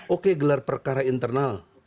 oke gelar perkara internal